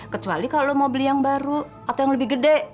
kecuali kalau mau beli yang baru atau yang lebih gede